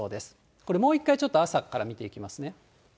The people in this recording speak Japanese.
これ、もう一回、ちょっと朝から見ていきますね。